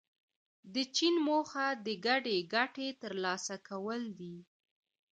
د چین موخه د ګډې ګټې ترلاسه کول دي.